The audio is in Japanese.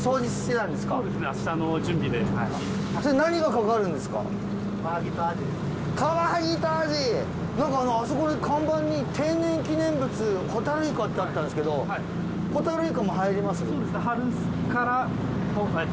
なんかあそこで看板に「天然記念物ホタルイカ」ってあったんですけどホタルイカも入ります？